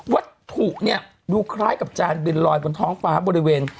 วัตถุเนี่ยดูคล้ายกับจานบินลอยบนท้องฟ้าบริเวณ